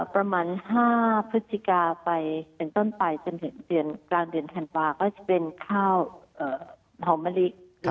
ประมาณ๕พฤศจิกาไปเป็นต้นไปจนถึงกลางเดือนธันวาก็จะเป็นข้าวหอมมะลิ